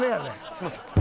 すみません。